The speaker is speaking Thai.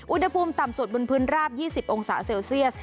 อุณหภูมิต่ำสุดบนพื้นราบ๒๐องศาเซลเซียส